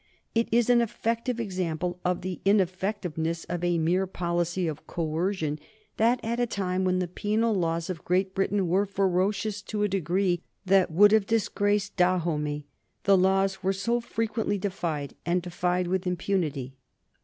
It is an effective example of the ineffectiveness of a mere policy of coercion that, at a time when the penal laws of Great Britain were ferocious to a degree that would have disgraced Dahomey, the laws were so frequently defied, and defied with impunity.